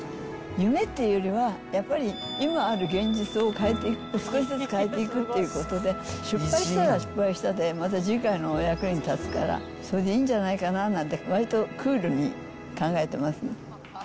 夢っていうよりは、やっぱり、今ある現実を変えていく、少しずつ変えていくということで、失敗したら失敗したで、また次回のお役に立つから、それでいいんじゃないかななんて、わりとクールに考えてます。